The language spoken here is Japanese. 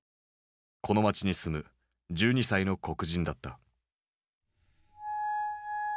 この町に住む１２歳の黒人だった。